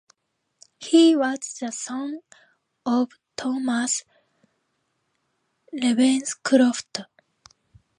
He was the son of Thomas Ravenscroft.